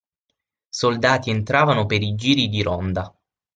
Soldati entravano per i giri di ronda